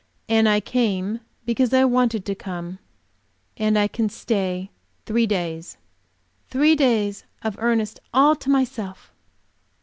"And I came because I wanted to come. And I can stay three days." Three days of Ernest all to myself!